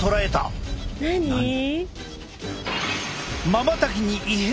まばたきに異変？